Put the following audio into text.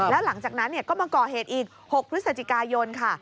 แล้วหลังจากนั้นก็มาก่อเหตุอีก๖พฤศจิกายนค่ะ